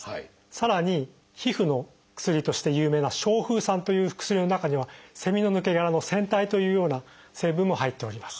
さらに皮膚の薬として有名な「消風散」という薬の中にはセミの抜け殻の「蝉退」というような成分も入っております。